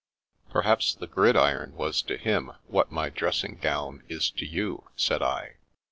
«" Perhaps the gridiron was to him what my dress ing gown is to you," said I.